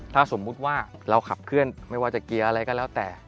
ถ้าสมมุติว่าเราขับเคลื่อนไม่ว่าจะเกียร์อะไรก็แล้วแต่